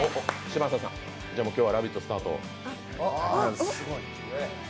嶋佐さん、今日は「ラヴィット！」スタートを。